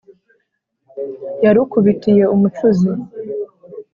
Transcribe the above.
Yarukubitiye umucuzi